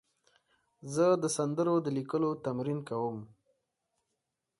زه د سندرو د لیکلو تمرین کوم.